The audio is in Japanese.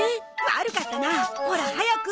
悪かったなほら早く！